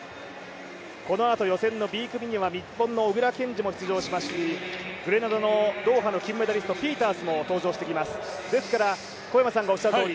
このあと予選のＢ組には日本の小椋健司も出場しましてグレナダのドーハの金メダリスト、ピータースも登場してきます。